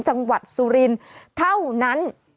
จังหวัดสุรินทร์เท่านั้น